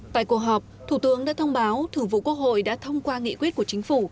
tại cuộc họp thủ tướng đã thông báo thường vụ quốc hội đã thông qua nghị quyết của chính phủ